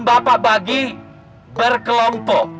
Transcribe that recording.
bapak bagi berkelompok